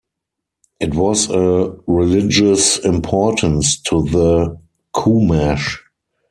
It was of religious importance to the Chumash.